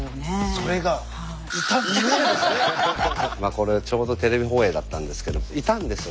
これちょうどテレビ放映だったんですけどいたんですよ